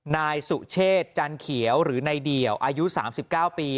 นายสุเชษจันเขียวหรือนายเดี่ยวอายุ๓๙ปี